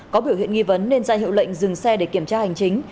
có biểu hiện nghi vấn nên ra hiệu lệnh dừng xe để kiểm tra hành chính